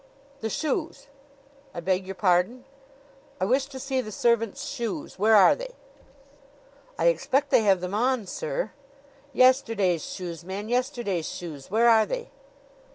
"The shoes!" "I beg your pardon?" "I wish to see the servants' shoes. Where are they?" "I expect they have them on, sir." "Yesterday's shoes, man yesterday's shoes. Where are they?"